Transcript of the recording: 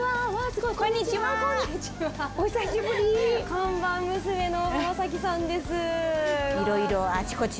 看板娘の浜崎さんです。